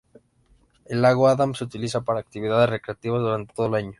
El lago Adams se utiliza para actividades recreativas durante todo el año.